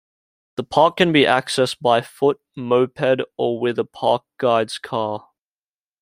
The park can be accessed by foot, moped or with a park guide's car.